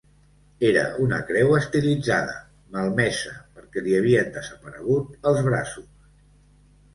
Era una creu estilitzada, malmesa, perquè li havien desaparegut els braços.